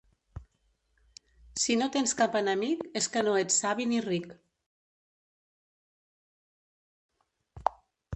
Si no tens cap enemic, és que no ets savi ni ric.